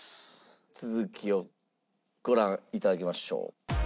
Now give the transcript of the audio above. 続きをご覧いただきましょう。